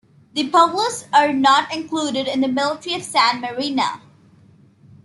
The police are not included in the Military of San Marino.